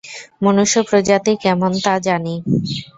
মনুষ্য প্রজাতি কেমন তা জানি!